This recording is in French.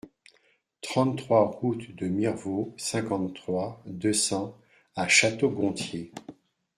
trente-trois route de Mirwault, cinquante-trois, deux cents à Château-Gontier